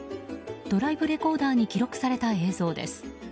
ドライブレコーダーに記録された映像です。